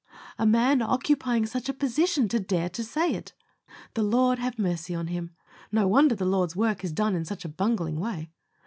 A man occupying such a position to dare to say it! The Lord have mercy on him. No wonder the Lord's work is done in such a bungling way!